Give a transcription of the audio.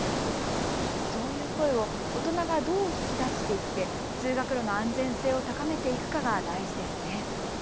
そういう声を大人がどう引き出していって通学路の安全性を高めていくかが大事ですね。